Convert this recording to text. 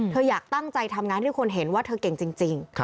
อยากตั้งใจทำงานให้คนเห็นว่าเธอเก่งจริง